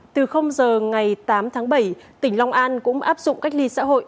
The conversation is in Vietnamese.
từ giờ ngày tám tháng bảy tỉnh long an cũng áp dụng cách ly xã hội